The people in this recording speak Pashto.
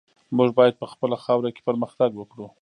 موږ باید په خپله خاوره کې پرمختګ وکړو.